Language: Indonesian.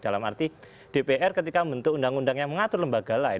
dalam arti dpr ketika membentuk undang undang yang mengatur lembaga lain